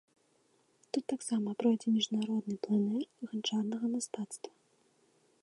Тут таксама пройдзе міжнародны плэнэр ганчарнага мастацтва.